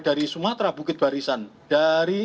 dari sumatera bukit barisan dari